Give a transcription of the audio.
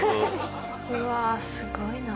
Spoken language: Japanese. うわあすごいな。